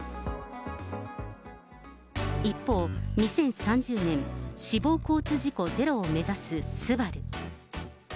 一方、２０３０年、死亡交通事故ゼロを目指すＳＵＢＡＲＵ。